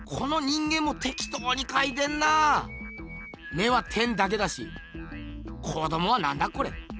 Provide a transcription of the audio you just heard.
目は点だけだし子どもはなんだこれ？